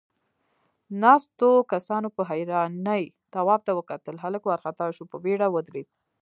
ناستو کسانوپه حيرانۍ تواب ته وکتل، هلک وارخطا شو، په بيړه ودرېد.